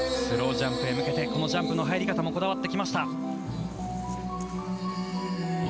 スロージャンプへ向けてこのジャンプの入り方もこだわってきました。